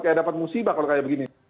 kayak dapat musibah kalau kayak begini